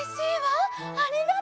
ありがとう。